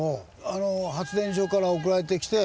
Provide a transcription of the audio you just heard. あの発電所から送られてきて。